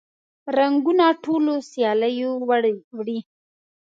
رنګونه ټوله سیلیو وړي